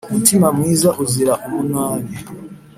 mutima mwiza uzira umunabi